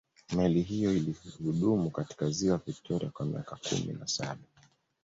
meli hiyo ilidumu katika ziwa victoria kwa miaka kumi na saba